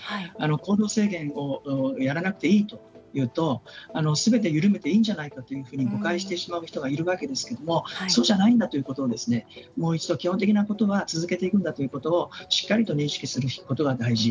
行動制限をやらなくていいというとすべて緩めていいんじゃないかというふうに誤解してしまう人もいるわけですけれどもそうじゃないんだということをもう一度基本的なことは続けていくんだということをしっかりと認識することが大事。